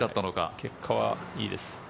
結果はいいです。